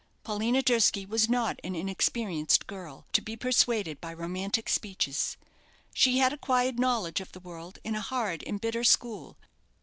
Paulina Durski was not an inexperienced girl, to be persuaded by romantic speeches. She had acquired knowledge of the world in a hard and bitter school.